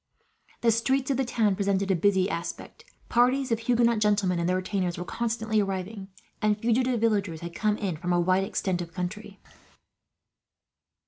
The streets of the town presented a busy aspect. Parties of Huguenot gentlemen and their retainers were constantly arriving, and fugitive villagers had come in from a wide extent of country.